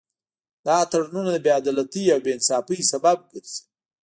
دا تړونونه د بې عدالتۍ او بې انصافۍ سبب ګرځي